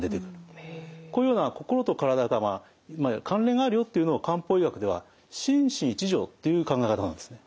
このような心と体が関連があるよっていうのを漢方医学では「心身一如」っていう考え方なんですね。